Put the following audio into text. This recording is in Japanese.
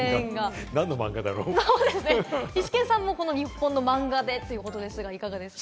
イシケンさんも日本のマンガでということですが、いかがですか？